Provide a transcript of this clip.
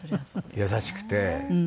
優しくて。